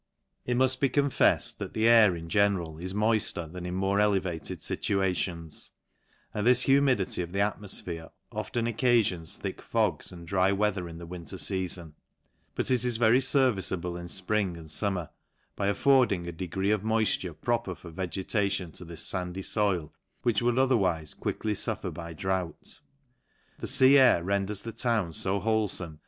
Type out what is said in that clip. It mud be confeffed, that the air in general is moifter than in more elevated fitua tions ; and this humidity of the atmofphere often oc cafions thick fogs and dry weather in the winter fea fon ; but it is very ferviceable in fpring and fum mer, by affording a degree of moifture proper for vegetation to this fandy foil, which would other wife quickly fuffer by drought. The fea air ren ders the town fo wholefome.